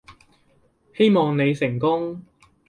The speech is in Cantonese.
希望你成功